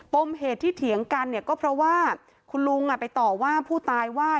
มเหตุที่เถียงกันเนี่ยก็เพราะว่าคุณลุงไปต่อว่าผู้ตายว่า